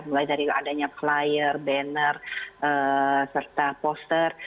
mulai dari adanya flyer banner serta poster